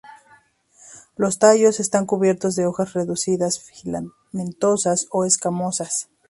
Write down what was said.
Los tallos están cubiertos de hojas reducidas filamentosas o escamosas.